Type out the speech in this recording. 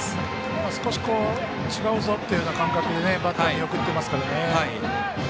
少し違うぞっていう感覚でバッター見送ってますからね。